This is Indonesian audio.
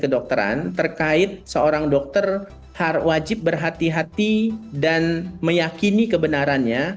kedokteran terkait seorang dokter wajib berhati hati dan meyakini kebenarannya